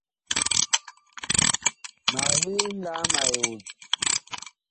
Mag yi nlaam a eon.